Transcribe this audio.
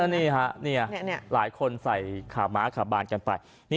นี่ฮะหลายคนใส่ขาม้าขาบานกันไป